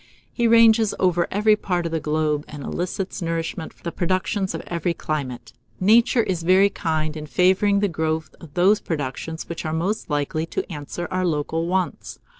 He ranges over every part of the globe, and elicits nourishment from the productions of every climate. Nature is very kind in favouring the growth of those productions which are most likely to answer our local wants.